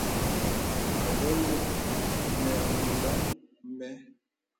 Avə mùt nə à bɔlaŋ mə.